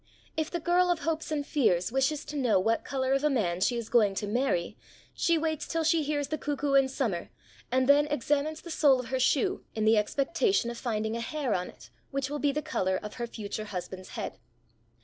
If the girl of hopes and fears wishes to know what colour of a man she is going to marry, she waits till she hears the cuckoo in summer, and then examines the sole of her shoe in the expectation of finding a hair on it which will be the colour of her future husband's head.